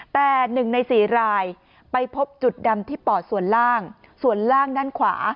แต่๑ใน๔รายไปพบจุดดำที่ปอดส่วนล่างส่วนล่างด้านขวา